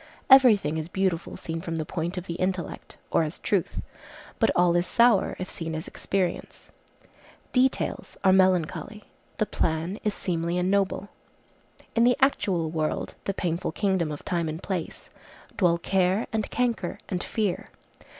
Every thing is beautiful seen from the point of the intellect, or as truth. But all is sour, if seen as experience. Details are melancholy; the plan is seemly and noble. In the actual world—the painful kingdom of time and place—dwell care, and canker, and fear.